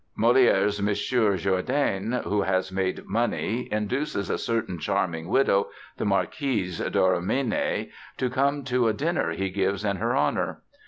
Molière's Monsieur Jourdain, who has made money, induces a certain charming widow, the Marquise Dorimène, to come to a dinner he gives in her honor.